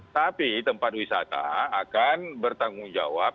tapi tempat wisata akan bertanggung jawab